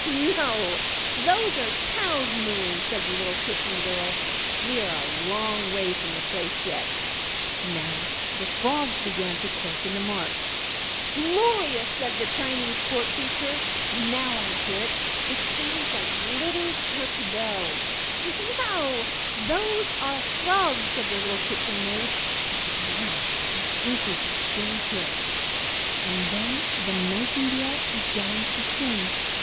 "No, those are cows mooing!" said the little Kitchen girl. "We are a long way from the place yet." Now the frogs began to croak in the marsh. "Glorious!" said the Chinese Court Preacher. "Now I hear it it sounds just like little church bells." "No, those are frogs!" said the little Kitchen maid. "But now I think we shall soon hear it." And then the Nightingale began to sing.